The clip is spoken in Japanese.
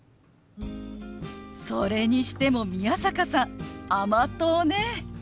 それにしても宮坂さん甘党ね。